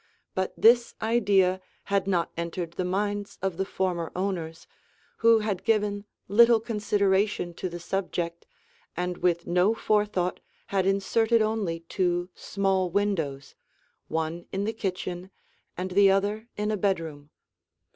But this idea had not entered the minds of the former owners, who had given little consideration to the subject and with no forethought had inserted only two small windows, one in the kitchen and the other in a bedroom.